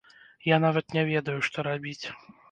Я нават не ведаю, што рабіць.